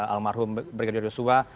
almarhum brigadir yusufa